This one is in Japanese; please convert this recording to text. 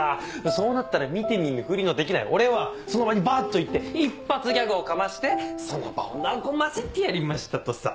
そうなったら見て見ぬふりのできない俺はその場にバっと行って一発ギャグをかましてその場を和ませてやりましたとさ。